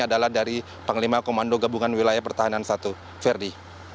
adalah dari panglima komando gabungan wilayah pertahanan i verdi